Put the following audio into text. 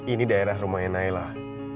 ini daerah rumahnya nailah